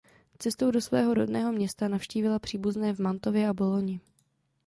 Cestou do svého rodného města navštívila příbuzné v Mantově a Bologni.